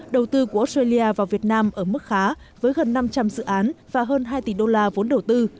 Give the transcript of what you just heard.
đầu tư của australia vào việt nam ở mức khá với gần năm trăm linh dự án và hơn hai tỷ đô la vốn đầu tư